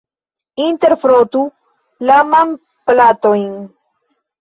Interfrotu la manplatojn.